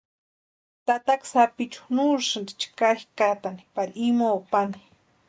Tataka sapichu nu úsïnti chkari kʼatani pari imoo pani.